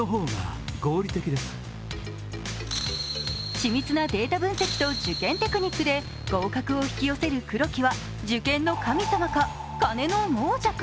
緻密なデータ分析と受験テクニックで合格を引き寄せる黒木は受験の神様か？